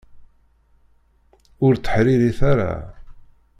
Ur tteḥṛiṛit ara!